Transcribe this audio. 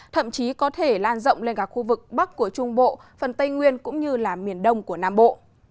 thậm chí có thể lan rộng lên cả khu vực bắc của trung bộ phần tây nguyên cũng như miền đông của nam bộ